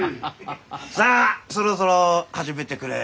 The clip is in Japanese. さあそろそろ始めてくれ。